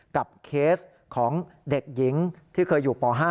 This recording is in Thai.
เคสของเด็กหญิงที่เคยอยู่ป๕